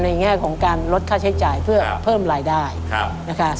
ในแห้งของการลดค่าใช้จ่ายเพื่อเพิ่มการรายได้